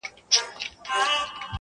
مېله ماته، غول ئې پاته.